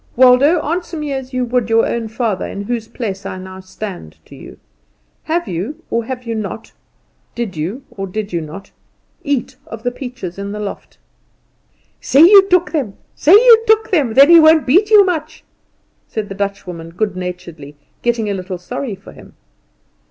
Waldo, answer me as you would your own father, in whose place I now stand to you; have you, or have you not, did you, or did you not, eat of the peaches in the loft?" "Say you took them, boy, say you took them, then he won't beat you much," said the Dutchwoman, good naturedly, getting a little sorry for him.